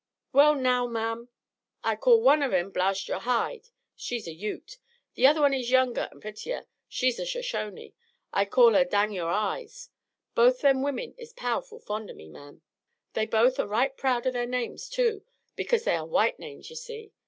"Well now, ma'am, I call one on 'em Blast Yore Hide she's a Ute. The other is younger an' pertier. She's a Shoshone. I call her Dang Yore Eyes. Both them women is powerful fond o' me, ma'am. They both are right proud o' their names, too, because they air white names, ye see.